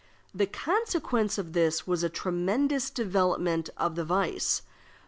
The consequence of this was a tremendous development of the vice.